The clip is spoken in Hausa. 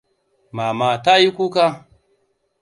Mama tayi kuka.